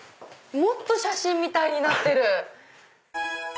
もっと写真みたいになってる！